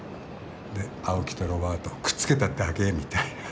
で青木とロバートをくっつけただけみたいな。